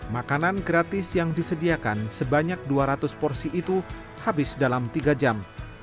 makanan gratis yang disediakan sebanyak dua ratus porsi itu habis dalam tiga jam